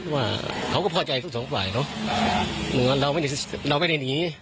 ว่าเขาก็พอใจทั้งสองฝ่ายเขาเหมือนเราไม่ได้เราไม่ได้หนี